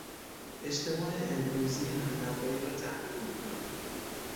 اجتماع امروزی همنوایی را تحمیل میکند.